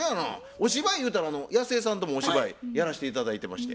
お芝居ゆうたらやすえさんともお芝居やらして頂いてまして。